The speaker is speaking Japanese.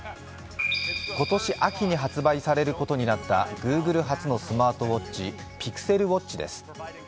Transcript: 今年秋に発売されることになったＧｏｏｇｌｅ初のスマートウォッチＰｉｘｅｌＷａｔｃｈです。